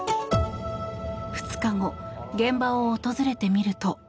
２日後、現場を訪れてみると。